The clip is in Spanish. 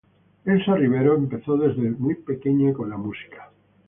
Elsa Riveros empezó desde muy pequeña en la música.